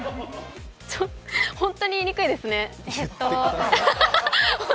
本当に言いにくいですね。